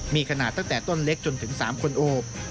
มีขนาดตั้งแต่ต้นเล็กจนถึง๓คนโอบ